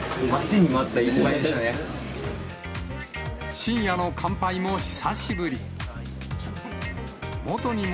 深夜の乾杯も久しぶり。